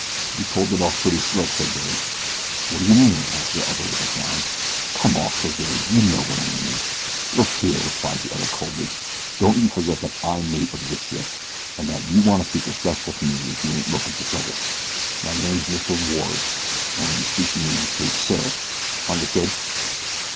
"You pulled it off pretty slick," said Billy. "What do you mean?" asked the other with a frown. "Come off," said Billy; "you know what I mean." "Look here," replied the other coldly. "Don't you forget that I'm mate of this ship, an' that you want to speak respectful to me if you ain't lookin' for trouble. My name's MR. Ward, an' when you speak to me say SIR. Understand?"